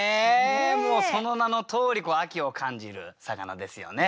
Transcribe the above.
もうその名のとおり秋を感じる魚ですよね。